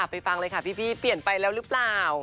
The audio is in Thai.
ฟังเลยค่ะพี่เปลี่ยนไปแล้วหรือเปล่า